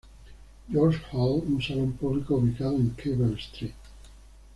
George's Hall, un salón público ubicado en Cable Street.